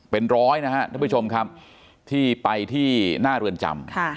เป็นร้อยนะครับท่านผู้ชมครับที่ไปที่หน้าเรือนจำ